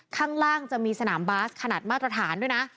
ข้างล่างจะมีสนามบาสขนาดมาตรฐานด้วยนะ